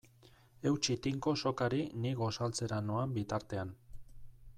Eutsi tinko sokari ni gosaltzera noan bitartean.